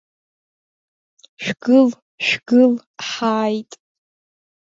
Шәгыл, шәгыл, ҳааит.